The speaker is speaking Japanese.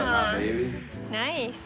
ナイス。